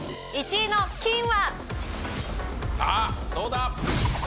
さあ、どうだ。